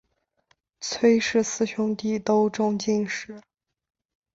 崔氏四兄弟都中进士。